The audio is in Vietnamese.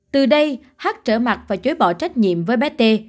từ đây hát trở mặt và chối bỏ trách nhiệm với bé t